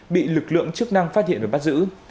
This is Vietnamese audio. bị lực lượng chức năng phát hiện và bắt giữ